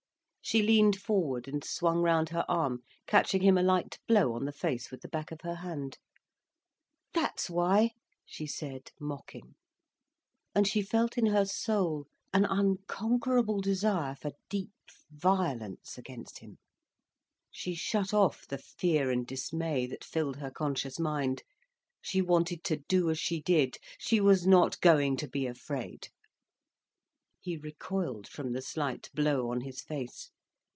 She leaned forward and swung round her arm, catching him a light blow on the face with the back of her hand. "That's why," she said, mocking. And she felt in her soul an unconquerable desire for deep violence against him. She shut off the fear and dismay that filled her conscious mind. She wanted to do as she did, she was not going to be afraid. He recoiled from the slight blow on his face.